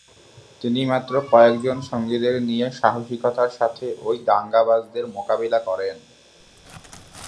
তিনি মাত্র কয়েকজন সঙ্গীদের নিয়ে সাহসিকতার সাথে ঐ দাঙ্গাবাজদের মোকাবিলা করেন।